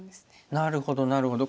なるほどなるほど。